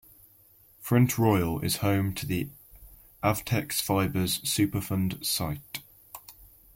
Front Royal is home to the Avtex Fibers Superfund Site.